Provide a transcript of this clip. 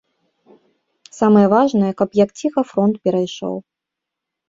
Самае важнае, каб як ціха фронт перайшоў.